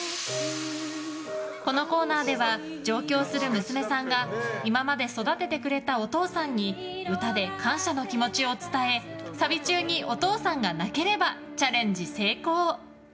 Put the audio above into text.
このコーナーでは上京する娘さんが今まで育ててくれたお父さんに歌で感謝の気持ちを伝えサビ中にお父さんが泣ければチャレンジ成功。